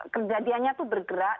kejadiannya itu bergerak